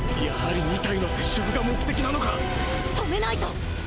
やはり二体の接触が目的なのか⁉止めないと！！